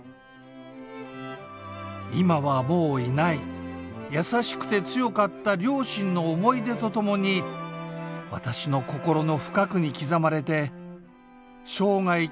「今はもういない優しくて強かった両親の思い出とともに私の心の深くに刻まれて生涯消えることのない風景だ」。